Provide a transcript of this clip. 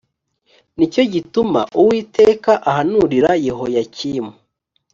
ni cyo gituma uwiteka ahanurira yehoyakimu